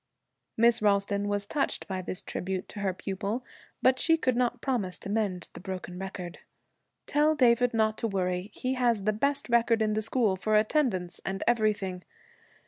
Miss Ralston was touched by this tribute to her pupil, but she could not promise to mend the broken record. 'Tell David not to worry. He has the best record in the school, for attendance and everything.